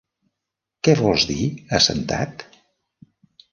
Què vols dir, assentat?